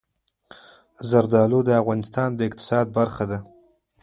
زردالو د افغانستان د اقتصاد برخه ده.